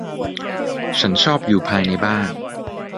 ฉันชอบอยู่ภายในบ้าน